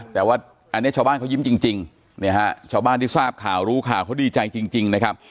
แต่ว่าอันนี้ชาวบ้านเขายิ้มจริงเนี่ยฮะชาวบ้านที่ทราบข่าวรู้ข่าวเขาดีใจจริงนะครับ